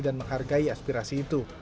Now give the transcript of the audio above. dan menghargai aspirasi itu